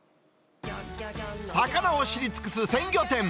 魚を知り尽くす鮮魚店。